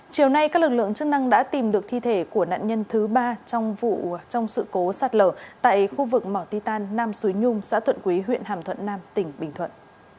chiều nay các lực lượng chức năng đã tìm được thi thể của nạn nhân thứ ba trong sự cố sạt lở tại khu vực mỏ ti tàn nam suối nhung xã thuận quý huyện hàm thuận nam tỉnh bình thuận